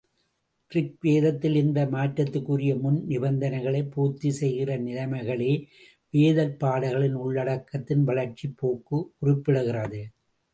ரிக்வேதத்தில் இந்த மாற்றத்துக்குரிய முன் நிபந்தனைகளைப் பூர்த்தி செய்கிற நிலைமைகளே வேதப் பாடல்களின் உள்ளடக்கத்தின் வளர்ச்சிப்போக்கு குறிப்பிடுகிறது.